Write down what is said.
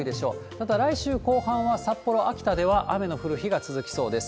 ただ、来週後半は札幌、秋田では雨の降る日が続きそうです。